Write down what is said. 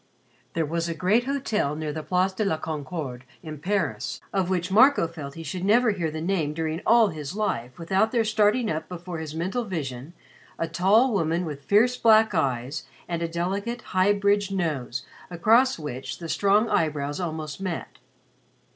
There was a great hotel near the Place de la Concorde in Paris, of which Marco felt he should never hear the name during all his life without there starting up before his mental vision a tall woman with fierce black eyes and a delicate high bridged nose across which the strong eyebrows almost met.